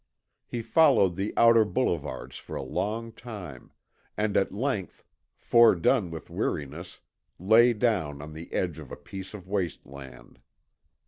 He followed the outer boulevards for a long time, and at length, fordone with weariness, lay down on the edge of a piece of waste land.